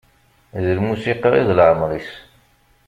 D lmusiqa i d leɛmer-is.